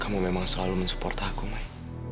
kamu memang selalu mensupport aku main